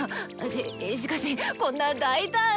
しっしかしこんな大胆な。